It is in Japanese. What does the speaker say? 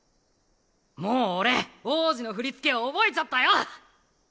もう俺王子の振り付け覚えちゃったよ！